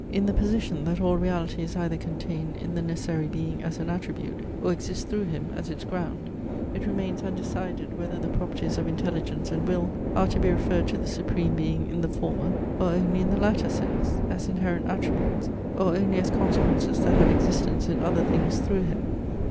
"In the position, that all reality is either contained in the necessary being as an attribute, or exists through him, as its ground, it remains undecided whether the properties of intelligence and will are to be referred to the Supreme Being in the former or only in the latter sense; as inherent attributes, or only as consequences that have existence in other things through him .